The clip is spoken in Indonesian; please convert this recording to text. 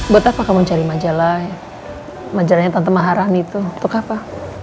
buat apa kamu cari majalah majalahnya tante maharani tuh untuk apa